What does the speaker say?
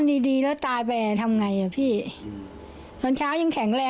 น้ำตรงนี้มันคือสาเหตุที่ทำให้สามีเธอเสียชีวิตรึเปล่า